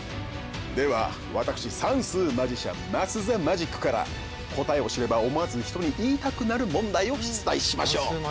では私算数マジシャンマス・ザ・マジックから答えを知れば思わず人に言いたくなる問題を出題しましょう。